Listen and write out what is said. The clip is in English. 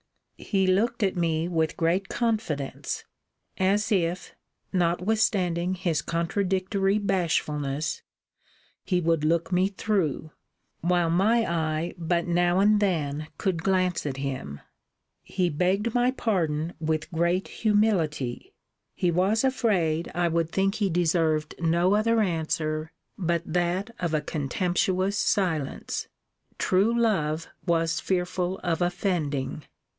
He looked at me with great confidence; as if (notwithstanding his contradictory bashfulness) he would look me through; while my eye but now and then could glance at him. He begged my pardon with great humility: he was afraid I would think he deserved no other answer, but that of a contemptuous silence. True love was fearful of offending.